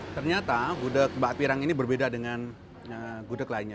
ternyata gudeg mbak pirang ini berbeda dengan gudeg lainnya